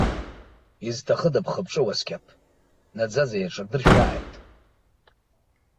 Изҭахыда бхы-бҿы уаскьаԥ, наӡаӡа иаҿадыршәааит!